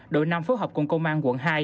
đội năm phó hợp công công an quận hai